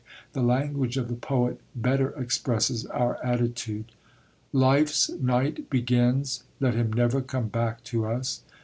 The language of the poet better expresses our attitude: "Life's night begins: let him never come back to us!